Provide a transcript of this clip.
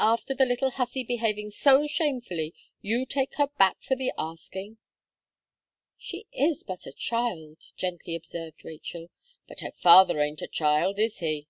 after the little hussy behaving so shamefully, you take her back for the asking!" "She is but a child," gently observed Rachel. "But her father ain't a child, is he?"